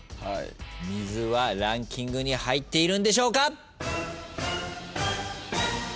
水はランキングに入っているんでしょうか？